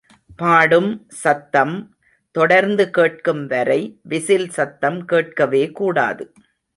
பாடும் சத்தம் தொடர்ந்து கேட்கும் வரை விசில் சத்தம் கேட்கவே கூடாது.